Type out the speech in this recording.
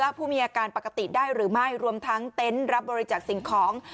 ผู้มีอาการปกติได้หรือไม่รวมทั้งเต็นต์รับบริจักษ์สิ่งของ